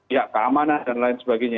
ya keamanan dan lain sebagainya